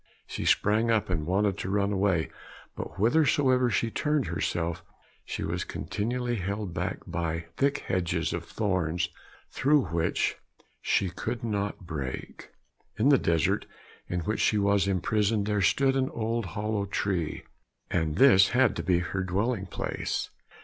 She sprang up and wanted to run away, but whithersoever she turned herself, she was continually held back by thick hedges of thorns through which she could not break. In the desert, in which she was imprisoned, there stood an old hollow tree, and this had to be her dwelling place.